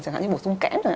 chẳng hạn như bổ sung kẽn